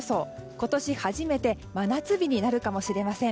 今年初めて真夏日になるかもしれません。